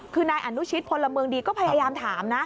คือนายอนุชิตพลเมืองดีก็พยายามถามนะ